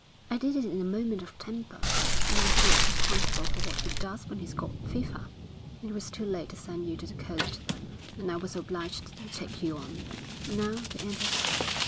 'I did it in a moment of temper. A man's not responsible for what he does when he's got fever.' 'It was too late to send you to the coast then, and I was obliged to take you on. And now the end has come.